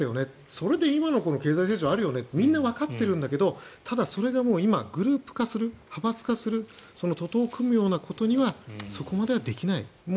それで今の経済成長あるよねってみんなわかってるんだけどただそれでグループ化する派閥化する徒党を組むようなことはそこまではできない。